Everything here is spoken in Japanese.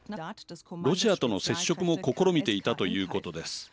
ロシアとの接触も試みていたということです。